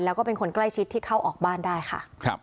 แล้วก็เป็นคนใกล้ชิดที่เข้าออกบ้านได้ค่ะ